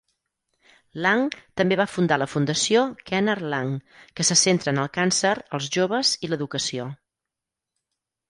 Lang també va fundar la Fundació Kenard Lang, que se centra en el càncer, els joves i l'educació.